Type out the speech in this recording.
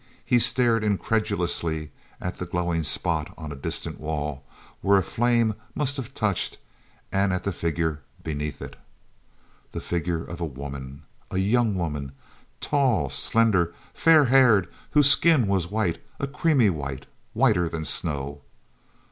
He stared incredulously at the glowing spot on a distant wall, where a flame must have touched, and at the figure beneath it. The figure of a woman! A young woman, tall, slender, fair haired, whose skin was white, a creamy white, whiter than snow.